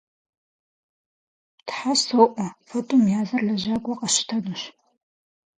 Тхьэ соӏуэ, фэ тӏум я зыр лэжьакӏуэ къэсщтэнущ.